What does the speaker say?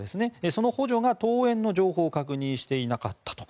その補助が登園の情報を確認していなったと。